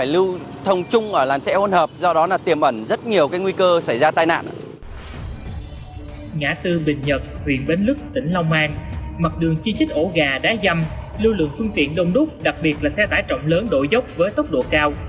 lưu lượng phương tiện đông đút đặc biệt là xe tải trọng lớn đổi dốc với tốc độ cao